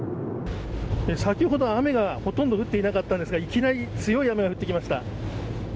先ほど雨がほとんど降っていなかったんですがいきなり強い雨が降ってきました。